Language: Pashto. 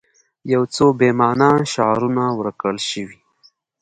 یو څو بې معنا شعارونه ورکړل شوي.